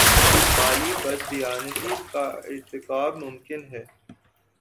مالی بد دیانتی کا ارتکاب ممکن ہے۔